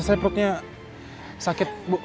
saya perutnya sakit bu